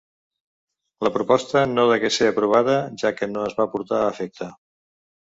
La proposta no degué ser aprovada, ja que no es va portar a efecte.